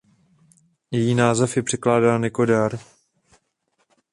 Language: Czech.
Její název je překládán jako „dar“.